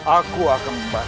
aku akan membantu